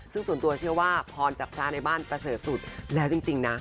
ซึ่งส่วนตัวเชื่อว่าพรจากพระในบ้านประเสริฐสุดแล้วจริงนะ